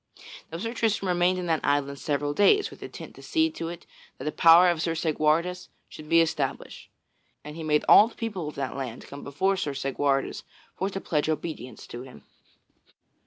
Now Sir Tristram remained in that island several days, with intent to see to it that the power of Sir Segwarides should be established. And he made all the people of that land come before Sir Segwarides for to pledge obedience to him.